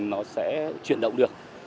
nó sẽ chuyển động được